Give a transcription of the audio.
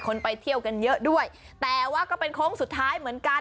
ไปเที่ยวกันเยอะด้วยแต่ว่าก็เป็นโค้งสุดท้ายเหมือนกัน